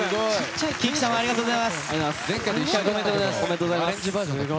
キンキさんもありがとうございます。